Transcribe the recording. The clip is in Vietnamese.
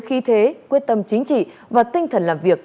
khí thế quyết tâm chính trị và tinh thần làm việc